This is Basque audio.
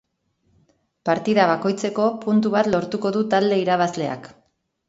Partida bakoitzeko, puntu bat lortuko du talde irabazleak.